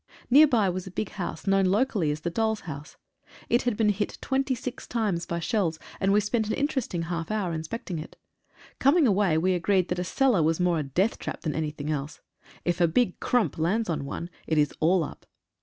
Near by was a big house known locally as the Doll's House. It had been hit twenty six times by shells and we spent an interesting half hour inspecting it. Coming away we agreed that a cellar was more a death trap than anything else. If a big "krump" lands on one, it is all up.